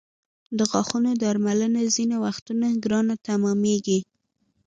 د غاښونو درملنه ځینې وختونه ګرانه تمامېږي.